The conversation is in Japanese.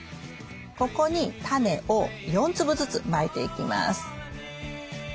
ここにタネを４粒ずつまいていきます。